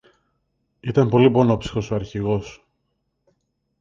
Ήταν πολύ πονόψυχος ο Αρχηγός